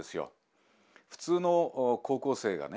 普通の高校生がね